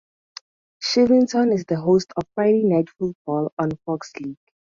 Shirvington is the host of Friday Night Football on Fox League.